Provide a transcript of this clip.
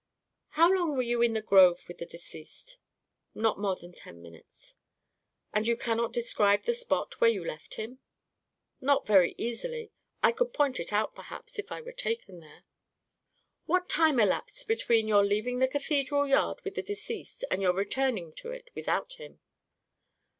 "How long were you in the grove with the deceased?" "Not more than ten minutes." "And you cannot describe the spot where you left him?" "Not very easily; I could point it out, perhaps, if I were taken there." "What time elapsed between your leaving the cathedral yard with the deceased and your returning to it without him?"